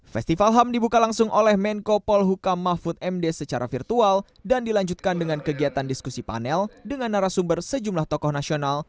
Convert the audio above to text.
festival ham dibuka langsung oleh menko polhukam mahfud md secara virtual dan dilanjutkan dengan kegiatan diskusi panel dengan narasumber sejumlah tokoh nasional